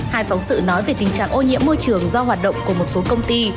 hai phóng sự nói về tình trạng ô nhiễm môi trường do hoạt động của một số công ty